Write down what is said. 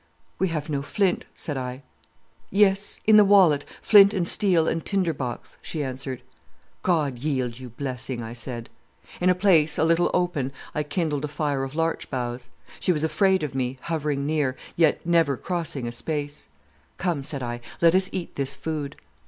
"'We have no flint,' said I. "'Yes—in the wallet, flint and steel and tinder box,' she answered. "'God yield you blessing,' I said. "In a place a little open I kindled a fire of larch boughs. She was afraid of me, hovering near, yet never crossing a space. "'Come,' said I, 'let us eat this food.